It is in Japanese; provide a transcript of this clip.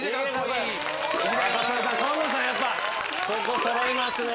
やっぱここ揃いますね。